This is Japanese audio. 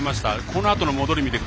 このあとの戻り